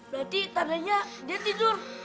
berarti tadanya dia tidur